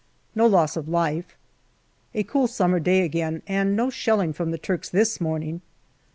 No loss of life. A cool summer day again, and no shelling from the Turks this morning.